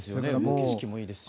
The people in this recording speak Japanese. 景色もいいですし。